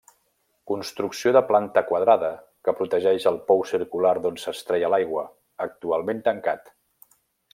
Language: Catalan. Construcció de planta quadrada que protegeix el pou circular d'on s'extreia l'aigua, actualment tancat.